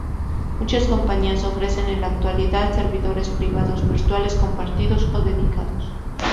Muchas Compañías ofrecen en la actualidad Servidores Privados Virtuales compartidos o dedicados.